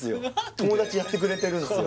友達やってくれてるんですよ